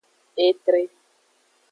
Etre.